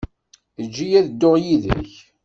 Eǧǧ-iyi ad dduɣ yid-k.